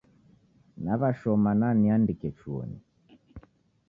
Naw'ashoma na niandike chuonyi.